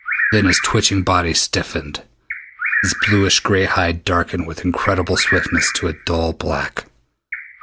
Then his twitching body stiffened. His bluish gray hide darkened with incredible swiftness into a dull black.